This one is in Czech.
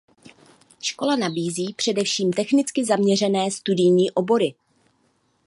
Škola nabízí především technicky zaměřené studijní obory.